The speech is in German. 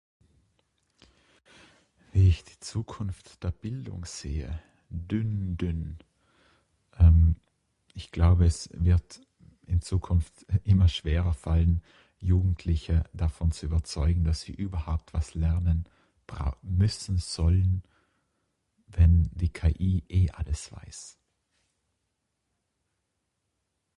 Wie ich die Zukunft der Bildung sehe? Dünn dünn, ehm ich glaube es wird in Zukunft immer schwerer fallen jugendliche davon zu überzeugen, das Sie überhaupt was lernen brau müssen, sollen wenn die KI eh alles weiß.